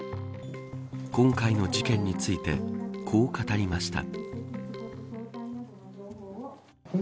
今回の事件についてこう語りました。